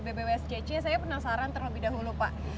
bbwscc saya penasaran terlebih dahulu pak